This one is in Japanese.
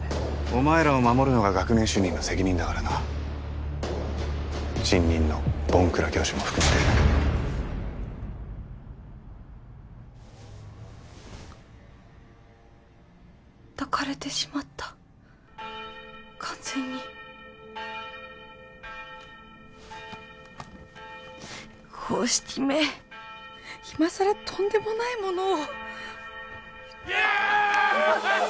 お前らを守るのが学年主任の責任だからな新任のボンクラ教師も含めて抱かれてしまった完全に公式め今さらとんでもないものをイエーイ！